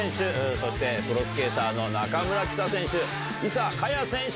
そしてプロスケーターの中村貴咲選手